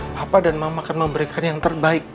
papa dan mama akan memberikan yang terbaik